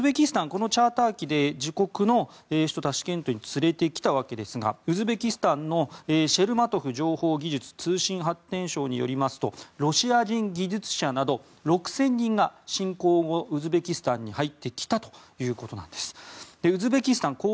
このチャーター機で自国の首都タシケントに連れてきたわけですがウズベキスタンのシェルマトフ情報技術・通信開発相によりますとロシア人技術者など６０００人が侵攻後ウズベキスタンに入ってきたということなんです。